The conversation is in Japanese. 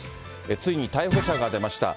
ついに逮捕者が出ました。